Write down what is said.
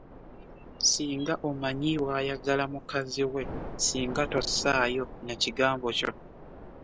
Ssinga omanyi bwayagala mukazi we singa tossaayo na kigambo kyo.